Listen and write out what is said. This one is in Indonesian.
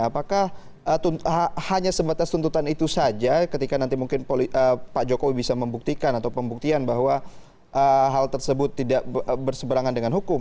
apakah hanya sebatas tuntutan itu saja ketika nanti mungkin pak jokowi bisa membuktikan atau pembuktian bahwa hal tersebut tidak berseberangan dengan hukum